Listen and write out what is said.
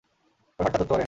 ওর হাতটা ধরতে পারেন?